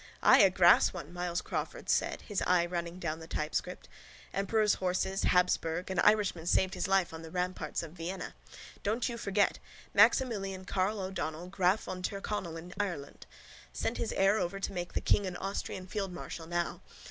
—Ay, a grass one, Myles Crawford said, his eye running down the typescript. Emperor's horses. Habsburg. An Irishman saved his life on the ramparts of Vienna. Don't you forget! Maximilian Karl O'Donnell, graf von Tirconnell in Ireland. Sent his heir over to make the king an Austrian fieldmarshal now.